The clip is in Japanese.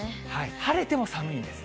晴れても寒いんです。